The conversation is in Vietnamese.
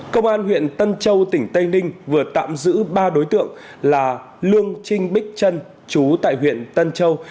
công an huyện tân châu tỉnh tây ninh vừa tạm giữ ba đối tượng là lương trinh bích trân chú tại huyện tân châu